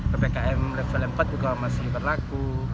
ppkm level empat juga masih berlaku